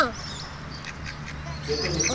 列島ニュース